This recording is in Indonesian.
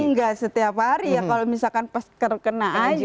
enggak setiap hari ya kalau misalkan pas terkena aja